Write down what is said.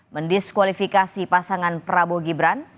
mendiskualifikasi pasangan prabowo gibran